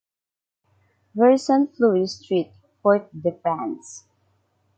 Versant Fleuri Street, Fort-de-France